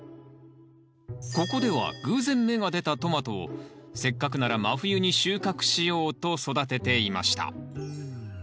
ここでは偶然芽が出たトマトをせっかくなら真冬に収穫しようと育てていました。